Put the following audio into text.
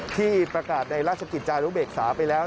ที่ประกาศในราชกิจจานุเบกษาไปแล้ว